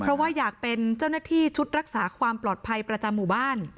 เพราะว่าอยากเป็นเจ้าหน้าที่ชุดรักษาความปลอดภัยประจำหมู่บ้าน